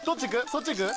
そっち行く？